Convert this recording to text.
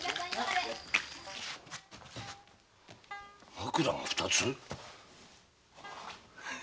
枕が二つ？